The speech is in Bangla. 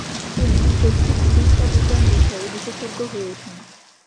তিনি চক্ষুচিকিৎসাবিজ্ঞান বিষয়ে বিশেষজ্ঞ হয়ে ওঠেন।